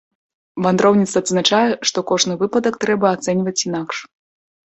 Вандроўніца адзначае, што кожны выпадак трэба ацэньваць інакш.